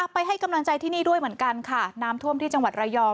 ไปให้กำลังใจที่นี่ด้วยเหมือนกันค่ะน้ำท่วมที่จังหวัดระยอง